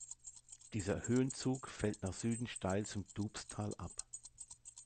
Dieser Höhenzug fällt nach Süden steil zum Doubstal ab.